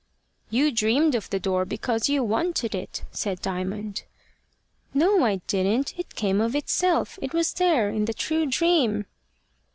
"You dreamed of the door because you wanted it," said Diamond. "No, I didn't; it came of itself. It was there, in the true dream."